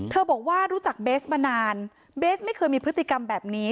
บอกว่ารู้จักเบสมานานเบสไม่เคยมีพฤติกรรมแบบนี้